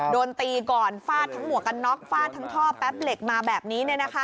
โดนตีก่อนฟาดทั้งหมวกกันน็อกฟาดทั้งท่อแป๊บเหล็กมาแบบนี้